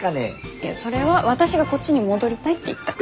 いやそれは私がこっちに戻りたいって言ったから。